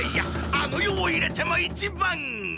あの世を入れても一番！